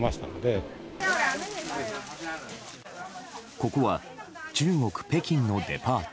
ここは中国・北京のデパート。